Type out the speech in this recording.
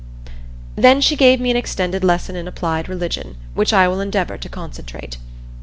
Then she gave me an extended lesson in applied religion, which I will endeavor to concentrate.